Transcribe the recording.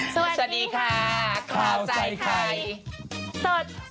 สด